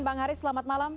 bang haris selamat malam